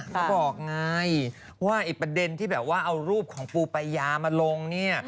เขาบอกไงว่าไอ้ประเด็นที่แบบว่าเอารูปของปูปายามาลงเนี่ย